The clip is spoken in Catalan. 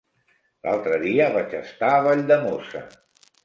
L'altre dia vaig estar a Valldemossa.